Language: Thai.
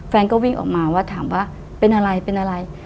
แฟนก็วิ่งออกมาว่าถามว่าเป็นอะไรเป็นอะไร